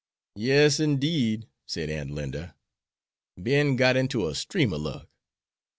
"Yes, indeed," said Aunt Linda, "Ben got inter a stream of luck.